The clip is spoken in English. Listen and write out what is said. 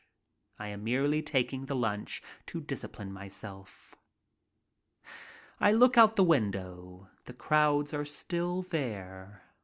I am merely taking the lunch to discipline myself. I look out the window. The crowds are still there.